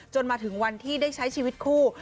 มาถึงวันที่ได้ใช้ชีวิตคู่